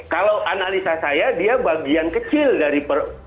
kalau analisa saya dia bagian kecil dari